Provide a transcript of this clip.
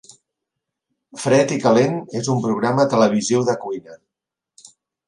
Fred i Calent és un programa televisiu de cuina